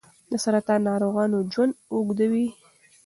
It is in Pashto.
د سرطان ناروغانو ژوند اوږدوي.